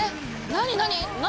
何何？